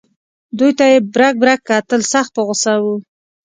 دوی ته یې برګ برګ کتل سخت په غوسه و.